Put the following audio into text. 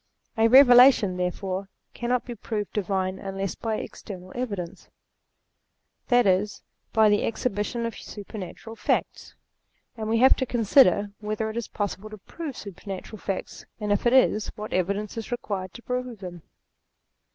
A Eevelation, therefore, cannot be proved divine unless by external evidence; that is, by the exhibition of supernatural facts. And we have to consider, whether KEVELATIOX 217 it is possible to prove supernatural facts, and if it is, what evidence is required to prove them.